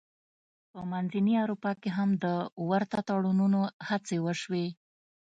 په ختیځې اروپا کې هم د ورته تړونونو هڅې وشوې.